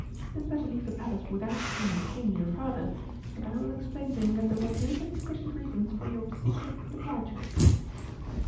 You had better leave the Palace without seeing the King, your father, and I will explain to him that there were good and sufficient reasons for your secret departure."